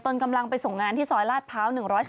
ตนกำลังไปส่งงานที่ซอยลาดเภา๑๑๒